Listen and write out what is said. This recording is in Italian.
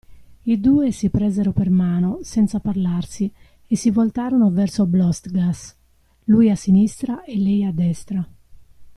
I due si presero per mano, senza parlarsi, e si voltarono verso Blostgas, lui a sinistra e lei a destra.